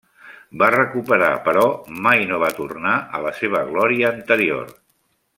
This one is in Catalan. Va recuperar, però mai no va tornar a la seva glòria anterior.